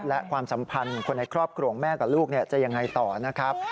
และความสัมพันธ์คนในครอบครัวของแม่กับลูกจะยังไงต่อนะครับ